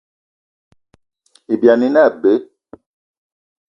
Ibyani ine abe.